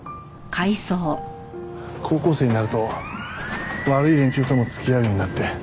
高校生になると悪い連中とも付き合うようになって。